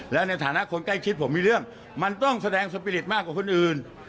แล้วในฐานะคนใกล้ชิดผมมีเรื่องมันต้องแสดงสปีริตมากกว่าคนอื่น